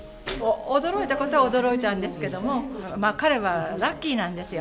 驚いたことは驚いたんですけど、彼はラッキーなんですよ。